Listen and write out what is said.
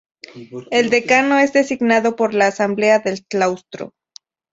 El Decano es designado por la Asamblea del Claustro.